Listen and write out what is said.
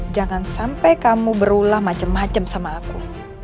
jangan sampai kamu berulah macem macem sama aku